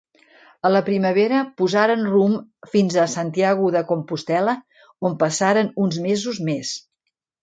A la primavera posaren rumb fins a Santiago de Compostel·la, on passaren uns mesos més.